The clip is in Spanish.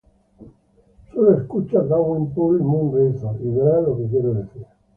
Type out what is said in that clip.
Sólo escucha "Drowning Pool" y "Moon Razor" y verá lo que quiero decir.